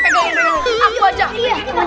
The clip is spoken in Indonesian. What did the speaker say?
pake mata pegang ini